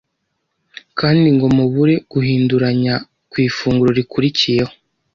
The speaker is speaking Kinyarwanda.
kandi ngo mubure guhinduranya ku ifunguro rikurikiyeho